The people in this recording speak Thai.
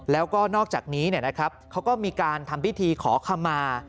แล้วก็นอกจากนี้เขาก็มีการทำพิธีขอคำมา